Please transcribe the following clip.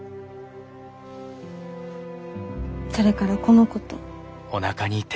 それからこの子と。